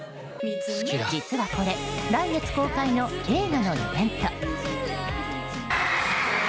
実はこれ来月公開の映画のイベント。